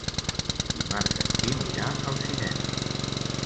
Dimarts en Quim irà al cinema.